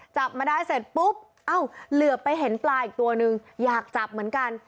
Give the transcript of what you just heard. จับมาได้เสร็จปุ๊บเอ้าเหลือไปเห็นปลาอีกตัวนึงอยากจับเหมือนกัน